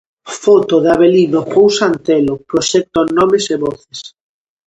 Foto de Avelino Pousa Antelo: Proxecto "Nomes e Voces".